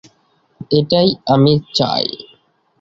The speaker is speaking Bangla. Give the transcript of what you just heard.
এটাই আমি চাই।